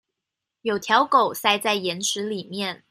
有條狗塞在岩石裡面